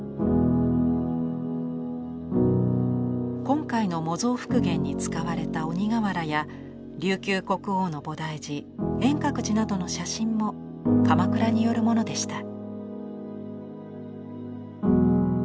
今回の模造復元に使われた鬼瓦や琉球国王の菩提寺円覚寺などの写真も鎌倉によるものでした。